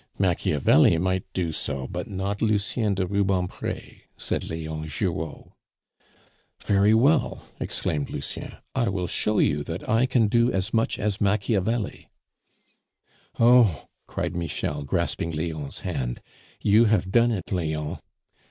"Machiavelli might do so, but not Lucien de Rubempre," said Leon Giraud. "Very well," exclaimed Lucien; "I will show you that I can do as much as Machiavelli." "Oh!" cried Michel, grasping Leon's hand, "you have done it, Leon.